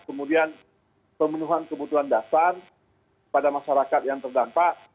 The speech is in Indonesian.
kemudian pemenuhan kebutuhan dasar pada masyarakat yang terdampak